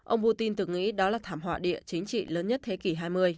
ông putin từng nghĩ đó là thảm họa địa chính trị lớn nhất thế kỷ hai mươi